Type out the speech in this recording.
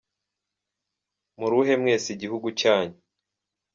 Muruhe mwese igihugu cyanyu